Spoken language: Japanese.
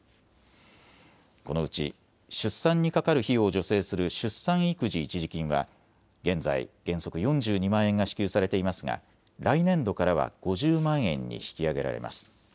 このうち出産にかかる費用を助成する出産育児一時金は現在、原則４２万円が支給されていますが来年度からは５０万円に引き上げられます。